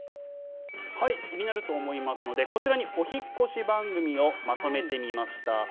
気になると思いますのでこちらにお引っ越し番組をまとめてみました。